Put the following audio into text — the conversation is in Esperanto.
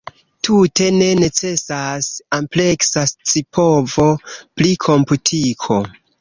Tute ne necesas ampleksa scipovo pri komputiko.